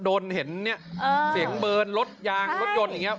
โดนเห็นเนี้ยเสียงเบิ้ลรถยางรถยนต์อย่างเงี้ย